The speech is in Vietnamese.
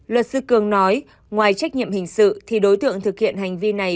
luật sư cường nói ngoài trách nhiệm hình sự thì đối tượng thực hiện hành vi này